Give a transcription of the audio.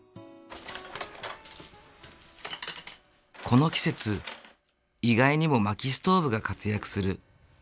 この季節意外にも薪ストーブが活躍する。